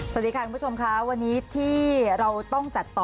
สวัสดีค่ะคุณผู้ชมค่ะวันนี้ที่เราต้องจัดต่อ